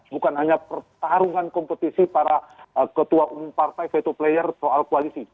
bukan hanya pertarungan kompetisi para ketua umum partai veto player soal koalisi